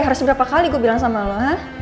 harus berapa kali gue bilang sama loan